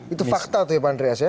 itu fakta tuh ya pak andreas ya